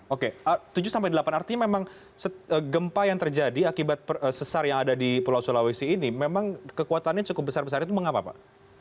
oke tujuh sampai delapan artinya memang gempa yang terjadi akibat sesar yang ada di pulau sulawesi ini memang kekuatannya cukup besar besar itu mengapa pak